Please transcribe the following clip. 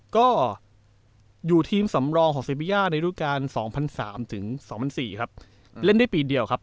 ก็อยู่ทีมสำรองของเซเบีย๒๓๐๒๔๐ครับเล่นได้ปีเดียวครับ